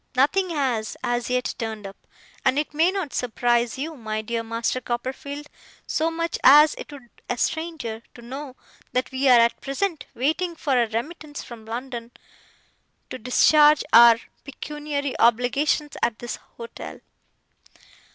Nothing has, as yet, turned up; and it may not surprise you, my dear Master Copperfield, so much as it would a stranger, to know that we are at present waiting for a remittance from London, to discharge our pecuniary obligations at this hotel.